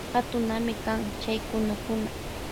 Katunami kan chay kunukuna.